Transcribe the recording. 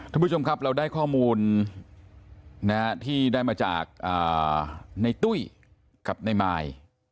ท่านผู้ชมครับเราได้ข้อมูลที่ได้มาจากในตุ้ยกับในมาย